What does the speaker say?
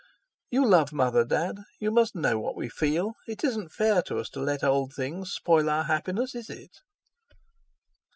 "You love Mother, Dad; you must know what we feel. It isn't fair to us to let old things spoil our happiness, is it?"